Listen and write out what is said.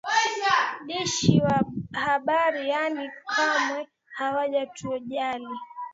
dishi wa habari yaani kamwe hawatujali